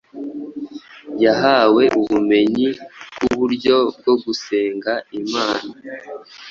yahawe ubumenyi bwuburyo bwo gusenga imana